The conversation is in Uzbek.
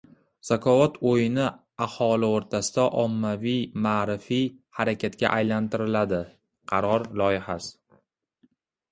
«Zakovat» o‘yini aholi o‘rtasida ommaviy-ma'rifiy harakatga aylantiriladi - qaror loyihasi